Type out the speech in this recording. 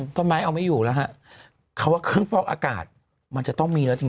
ต้นไม้เอาไม่อยู่แล้วฮะคำว่าเครื่องฟอกอากาศมันจะต้องมีแล้วจริง